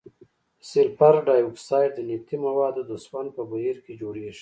سلفر ډای اکساید د نفتي موادو د سون په بهیر کې جوړیږي.